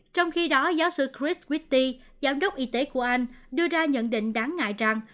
trong khi đó giáo sư chris witti giám đốc y tế của anh đưa ra nhận định đáng ngại rằng